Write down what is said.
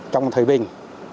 trong thời bình